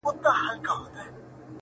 د تعویذ اغېز تر لنډي زمانې وي.